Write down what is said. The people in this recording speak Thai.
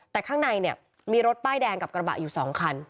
แต่ข้างในเนี่ยมีรถป้ายแดงกับกระบะอยู่๒คัน